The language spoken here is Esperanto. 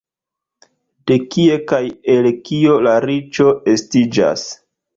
De kie kaj el kio la riĉo estiĝas?